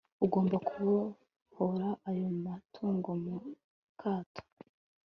Ugomba kubohora ayo matungo mu kato